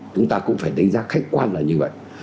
chúng ta cũng phải đánh giá khách quan là như vậy